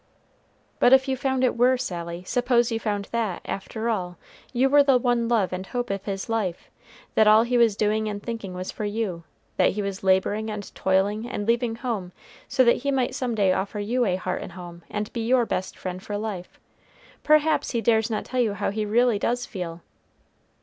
"But if you found it were, Sally? Suppose you found that, after all, you were the one love and hope of his life; that all he was doing and thinking was for you; that he was laboring, and toiling, and leaving home, so that he might some day offer you a heart and home, and be your best friend for life? Perhaps he dares not tell you how he really does feel."